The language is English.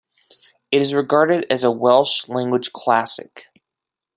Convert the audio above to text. It is regarded as a Welsh language classic.